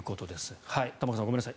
玉川さん、ごめんなさい